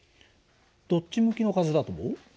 どっち向きの風だと思う？